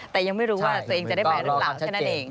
แต่ยังไม่รู้ว่าตัวเองจะได้ไปหรือเปล่าแค่นั้นเอง